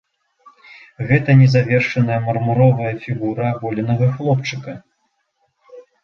Гэта незавершаная мармуровая фігура аголенага хлопчыка.